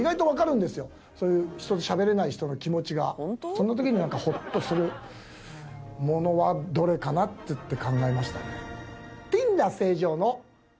そんな時にホッとするものはどれかなっつって考えましたね。